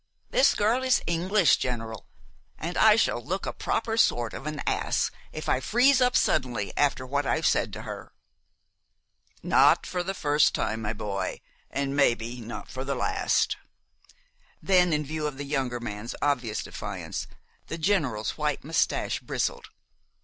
This girl is English, General, an' I shall look a proper sort of an ass if I freeze up suddenly after what I've said to her." "Not for the first time, my boy, and mebbe not for the last." Then, in view of the younger man's obvious defiance, the General's white mustache bristled.